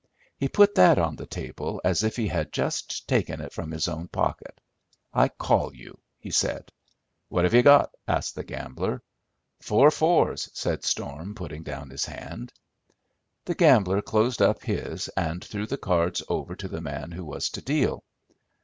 He put that on the table as if he had just taken it from his own pocket. "I call you," he said. "What have you got?" asked the gambler. "Four fours," said Storm, putting down his hand. The gambler closed up his and threw the cards over to the man who was to deal.